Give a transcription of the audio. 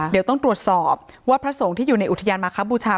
เดี๋ยวต้องตรวจสอบว่าพระสงฆ์ที่อยู่ในอุทยานมาครับบูชา